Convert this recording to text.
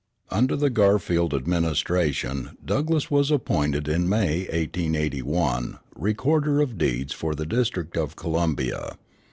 Under the Garfield administration Douglass was appointed in May, 1881, recorder of deeds for the District of Columbia.